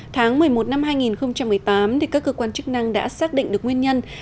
tháng một mươi một năm hai nghìn một mươi tám các cơ quan chức năng đã xác định được nguyên nhân